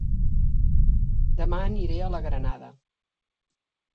Dema aniré a La Granada